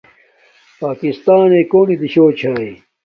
پݳکستݳنݵئ کݸنݵ دِشݸ چھݳئی؟